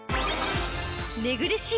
寝苦しい